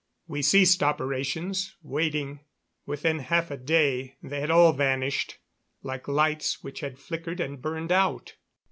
We ceased operations, waiting. Within half a day they had all vanished, like lights which had flickered and burned out.